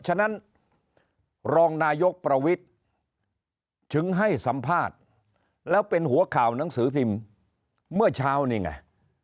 ฉะนั้นรองนายกประวิทย์ถึงให้สัมภาษณ์แล้วเป็นหัวข่าวหนังสือพิมพ์เมื่อเช้านี่ไง